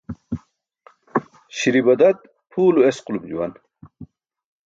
Śi̇ri̇ badat pʰuw lo esqulum juwan.